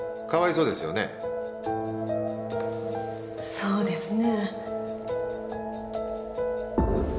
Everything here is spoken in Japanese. そうですね。